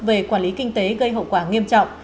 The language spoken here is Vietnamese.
về quản lý kinh tế gây hậu quả nghiêm trọng